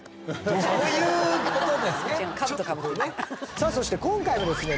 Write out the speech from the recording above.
さあそして今回もですね